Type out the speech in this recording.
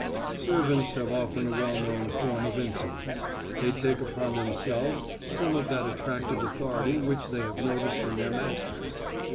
Servants have often a well known form of insolence; they take upon themselves some of that attractive authority which they have noticed in their masters.